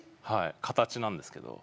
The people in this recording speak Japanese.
形なんですけど。